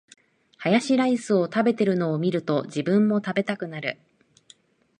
ハヤシライス食べてるの見ると、自分も食べたくなる